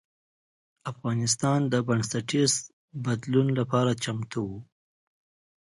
افغانستان د بنسټیز بدلون لپاره چمتو و.